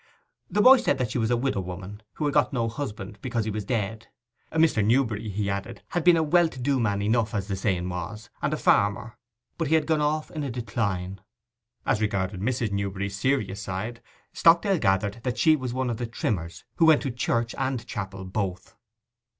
The boy said that she was a widow woman, who had got no husband, because he was dead. Mr. Newberry, he added, had been a well to do man enough, as the saying was, and a farmer; but he had gone off in a decline. As regarded Mrs. Newberry's serious side, Stockdale gathered that she was one of the trimmers who went to church and chapel both.